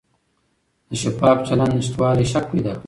د شفاف چلند نشتوالی شک پیدا کوي